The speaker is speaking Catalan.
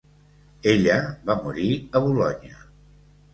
Ella va morir a Bolonya.